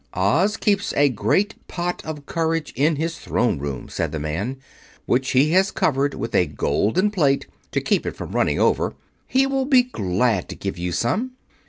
"Oz keeps a great pot of courage in his Throne Room," said the man, "which he has covered with a golden plate, to keep it from running over. He will be glad to give you some."